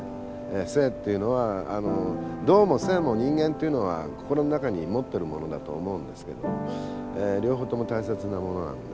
静っていうのは動も静も人間というのは心の中に持っているものだと思うんですけど両方とも大切なものなので。